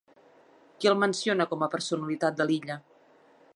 Qui el menciona com a personalitat de l'illa?